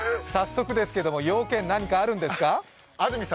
早速ですけれども、用件、何かあるんですか？